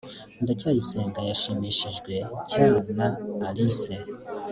ndacyayisenga yashimishijwe cy na alice